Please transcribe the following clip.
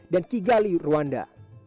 dan kigali rwanda